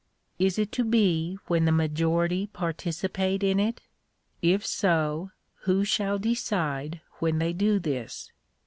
Is it to be when the majority participate in it ? If so, who shall decide when they do this